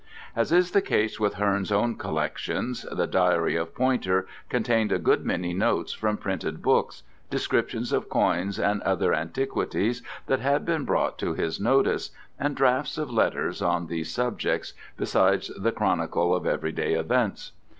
As is the case with Hearne's own collections, the diary of Poynter contained a good many notes from printed books, descriptions of coins and other antiquities that had been brought to his notice, and drafts of letters on these subjects, besides the chronicle of everyday events.